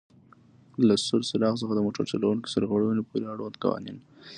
له سور څراغ څخه د موټر چلوونکي سرغړونې پورې آړوند قوانین: